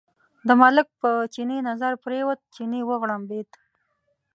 د ملک په چیني نظر پرېوت، چیني وغړمبېد.